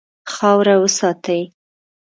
خاوره وساتئ.